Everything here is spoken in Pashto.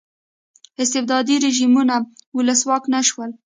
استبدادي رژیمونو ولسواک نه شول.